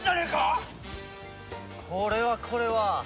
これはこれは。